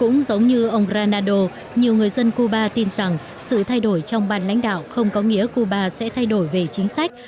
cũng giống như ông grando nhiều người dân cuba tin rằng sự thay đổi trong bàn lãnh đạo không có nghĩa cuba sẽ thay đổi về chính sách